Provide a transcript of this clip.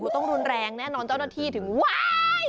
ต้องรุนแรงแน่นอนเจ้าหน้าที่ถึงไหว้